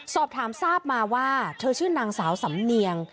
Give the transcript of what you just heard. สอบถามทราบมาว่าเธอชื่อนางสาวสำเนียง